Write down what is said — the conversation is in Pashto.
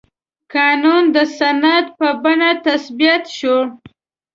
قانون د سند په بڼه تثبیت شو.